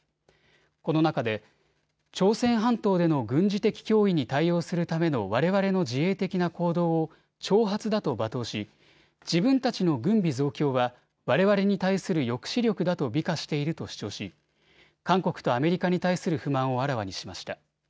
この中で朝鮮半島での軍事的脅威に対応するためのわれわれの自衛的な行動を挑発だと罵倒し自分たちの軍備増強はわれわれに対する抑止力だと美化していると主張し韓国とアメリカに対する不満をあらわにしました。